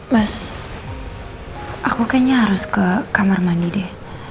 mas aku kayaknya harus ke kamar mandi deh